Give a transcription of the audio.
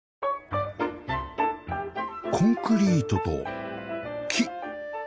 コンクリートと木